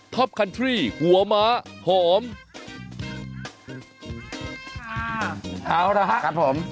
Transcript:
จะครบครับ